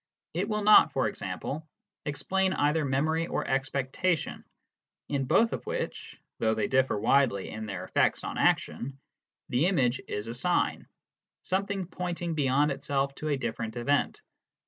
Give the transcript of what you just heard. It will not, for example, explain either memory or expectation, in both of which, though they differ widely in their effects on action, the image is a sign, something pointing beyond itself to a different event.